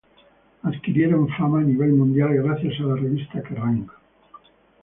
Adquirieron fama a nivel mundial gracias a la revista Kerrang!